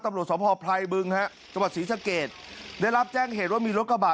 ตำรวจสภไพรบึงฮะจังหวัดศรีสะเกดได้รับแจ้งเหตุว่ามีรถกระบะ